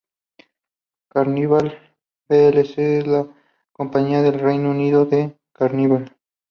Carnival plc es la compañía del Reino Unido de Carnival.